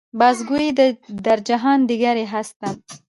باز گوئی در جهان دیگری هستم.